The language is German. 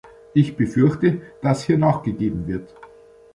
Ich befürchte, dass hier nachgegeben wird.